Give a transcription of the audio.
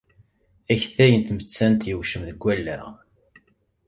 Aktay n tmettant yewcem deg wallaɣ.